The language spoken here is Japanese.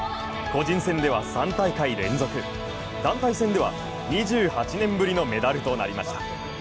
個人戦では３大会連続、団体戦では２８年ぶりのメダルとなりました。